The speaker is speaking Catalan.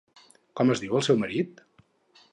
Com es diu el seu marit?